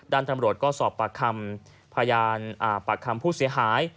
ดันตำรวจก็สอบประคำผู้เสียหาย